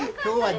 あっ！